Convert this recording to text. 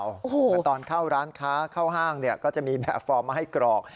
แต่ตอนเข้าร้านค้าเข้าห้างก็จะมีแบบฟอร์มมาให้กรอก